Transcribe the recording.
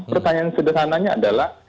pertanyaan sederhananya adalah